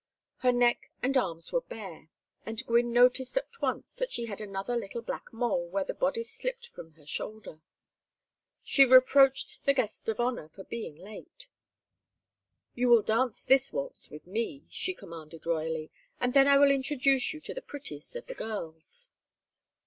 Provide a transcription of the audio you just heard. Her neck and arms were bare, and Gwynne noticed at once that she had another little black mole where the bodice slipped from her shoulder. She reproached the guest of honor for being late. "You will dance this waltz with me," she commanded, royally; "and then I will introduce you to the prettiest of the girls."